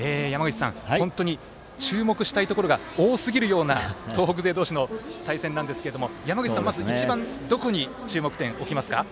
本当に注目したいところが多すぎるような、東北勢同士の対戦なんですけれども山口さんは一番どこに注目点置きますか？